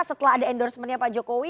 setelah ada endorsementnya pak jokowi